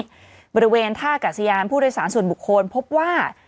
บริเวณท่ากัศยานผู้โดยสารส่วนบุคคลพบว่า